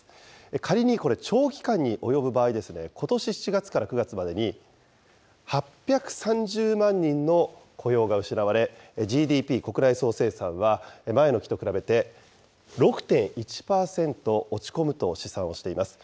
仮にこれ、長期間に及ぶ場合、ことし７月から９月までに、８３０万人の雇用が失われ、ＧＤＰ・国内総生産は前の期と比べて、６．１％落ち込むと試算をしています。